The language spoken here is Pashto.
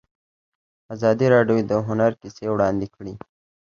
ازادي راډیو د هنر کیسې وړاندې کړي.